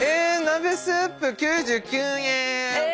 鍋スープ９９円！